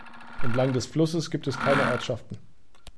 Entlang des Flusses gibt es keine Ortschaften.